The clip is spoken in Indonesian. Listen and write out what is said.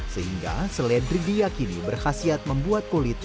sehingga seledri diakini berkhasiat membuat kulit berkualitas